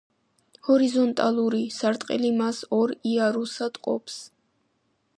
ჰორიზონტალური სარტყელი მას ორ იარუსად ჰყოფს.